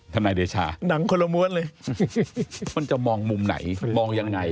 นายเดชาหนังคนละม้วนเลยมันจะมองมุมไหนมองยังไง